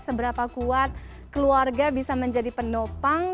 seberapa kuat keluarga bisa menjadi penopang